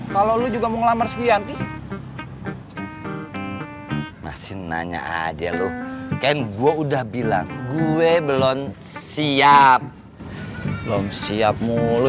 kalau lu juga mau ngelamar suyanti masih nanya aja lo kan gue udah bilang gue belum siap belum siap mulu